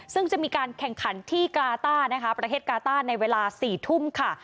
ซึ่งจะมีการแข่งขันที่กาต้านะคะประเทศกาต้าในเวลา๔ทุ่มค่ะ